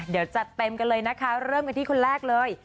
เดี๋ยวจัดเต็มกันเลยนะคะเริ่มกันที่คนแรกเลย